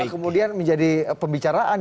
kemudian menjadi pembicaraan